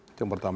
itu yang pertama